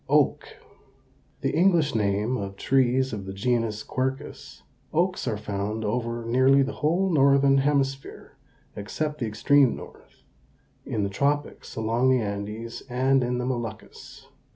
OAK. The English name of trees of the genus Quercus. Oaks are found over nearly the whole northern hemisphere, except the extreme north; in the tropics along the Andes, and in the Moluccas.